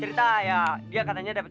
cerita ya dia katanya dapat